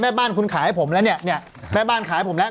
แม่บ้านคุณขายให้ผมแล้วเนี่ยแม่บ้านขายผมแล้ว